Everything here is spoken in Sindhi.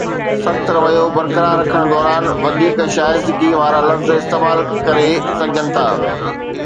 سخت رويو برقرار رکڻ دوران، وڌيڪ شائستگي وارا لفظ استعمال ڪري سگهجن ٿا.